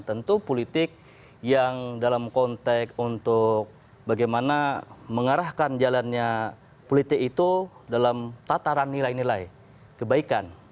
tentu politik yang dalam konteks untuk bagaimana mengarahkan jalannya politik itu dalam tataran nilai nilai kebaikan